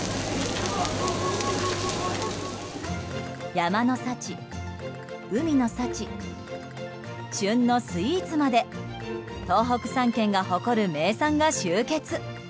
山の幸、海の幸旬のスイーツまで東北３県が誇る名産が集結。